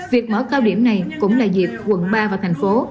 việc mở cao điểm này cũng là dịp quận ba và thành phố